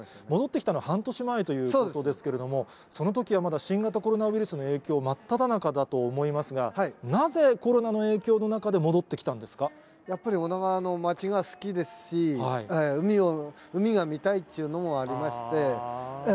戻ってきたのは半年前ということですけれども、そのときはまだ、新型コロナウイルスの影響、真っただ中だと思いますが、なぜコロナの影響の中で戻ってきやっぱり、女川の町が好きですし、海が見たいというのもありまして。